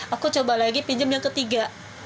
aku coba lagi pinjam yang ketiga